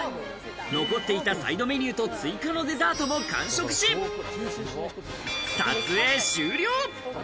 残っていたサイドメニューと、追加のデザートも完食し、撮影終了。